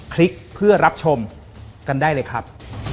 คลิกเพื่อรับชมกันได้เลยครับ